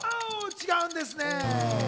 違うんですね。